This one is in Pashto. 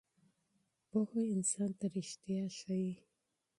پوهه انسان ته ریښتیا ښیي.